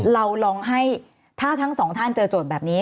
เราลองให้ถ้าทั้งสองท่านเจอโจทย์แบบนี้